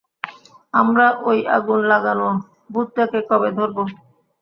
আমরা ওই আগুন লাগানো ভূতটাকে কবে ধরবো?